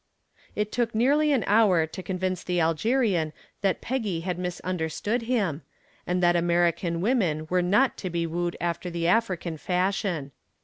It took nearly an hour to convince the Algerian that Peggy had misunderstood him and that American women were not to be wooed after the African fashion.